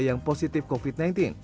yang positif covid sembilan belas